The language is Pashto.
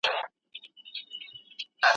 د ښځو د حقوقو رعایت د بشري حقونو سبب کېږي.